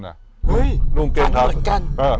เฮ้ยคันเหมือนกัน